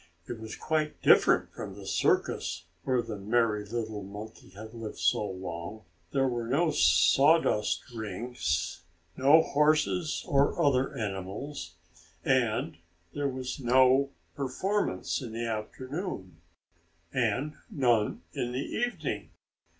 It was quite different from the circus where the merry little monkey had lived so long. There were no sawdust rings, no horses or other animals, and there was no performance in the afternoon, and none in the evening.